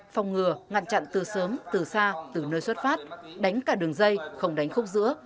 phòng ngừa ngăn chặn từ sớm từ xa từ nơi xuất phát đánh cả đường dây không đánh khúc giữa